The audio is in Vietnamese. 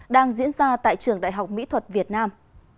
đang diễn ra tại trường đại học mỹ thuật việt nam